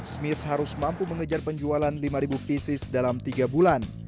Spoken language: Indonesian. smith harus mampu mengejar penjualan lima pieces dalam tiga bulan